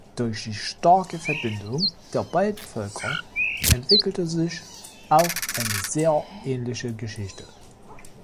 Durch die starke Verbindung der beiden Völker entwickelte sich auch eine sehr ähnliche Geschichte.